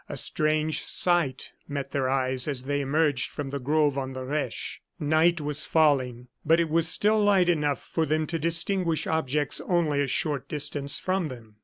A strange sight met their eyes as they emerged from the grove on the Reche. Night was falling, but it was still light enough for them to distinguish objects only a short distance from them.